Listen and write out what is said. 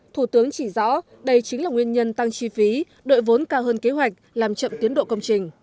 thủ tướng chỉ rõ đây chính là nguyên nhân tăng chi phí đội vốn cao hơn kế hoạch làm chậm tiến độ công trình